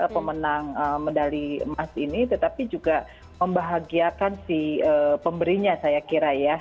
pemenang medali emas ini tetapi juga membahagiakan si pemberinya saya kira ya